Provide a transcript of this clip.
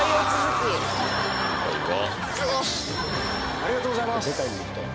ありがとうございます